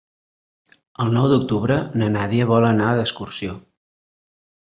El nou d'octubre na Nàdia vol anar d'excursió.